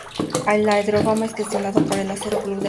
El aeródromo es gestionado por el Aero Club de Albacete.